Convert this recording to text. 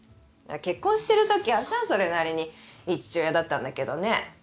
結婚してるときはさそれなりにいい父親だったんだけどね。